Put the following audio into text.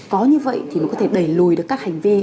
có như vậy thì nó có thể đẩy lùi được các hành vi